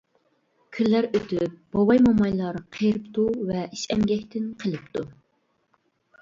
كۈنلەر ئۆتۈپ، بوۋاي، مومايلار قېرىپتۇ ۋە ئىش، ئەمگەكتىن قېلىپتۇ.